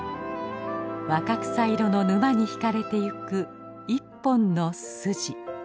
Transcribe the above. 若草色の沼に引かれていく一本の筋。